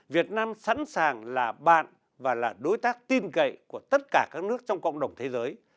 việt nam sẵn sàng là bạn và là đối tác tin cậy của tất cả các nước trong cộng đồng thế giới